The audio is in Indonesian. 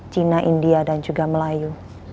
cina india dan juga melayu